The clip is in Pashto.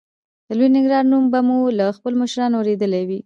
د لوی ننګرهار نوم به مو له خپلو مشرانو اورېدلی وي.